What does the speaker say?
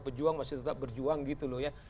pejuang masih tetap berjuang gitu loh ya